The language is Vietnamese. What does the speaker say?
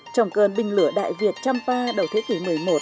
trong cơn binh lửa đại việt champa đầu thế kỷ một mươi một